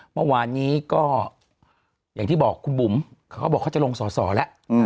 เมื่อวานนี้ก็อย่างที่บอกคุณบุ๋มเขาก็บอกเขาจะลงสอสอแล้ว